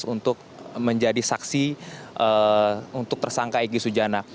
untuk menjadi saksi untuk tersangka egy sujana